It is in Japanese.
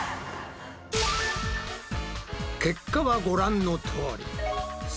結果はご覧のとおり。